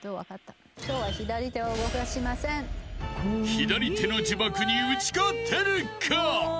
左手の呪縛に打ち勝てるか？